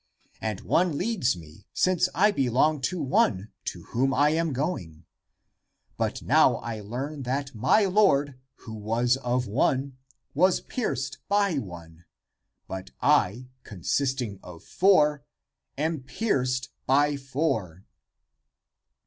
And one leads me, since I be long to One to whom I am going. But now I learn that my Lord, who was of one, was pierced by one,^ but I, consisting of four, am pierced by four."